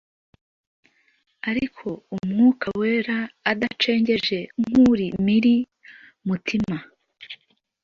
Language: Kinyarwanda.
ariko Umwuka wera adacengeje nkuri Mil mutima,